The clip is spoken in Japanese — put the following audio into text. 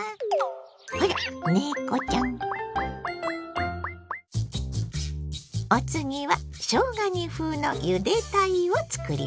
あら猫ちゃん！お次はしょうが煮風のゆで鯛を作ります。